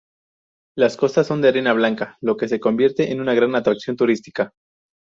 Las costas son de arena blanca, lo que se convierte en gran atracción turística.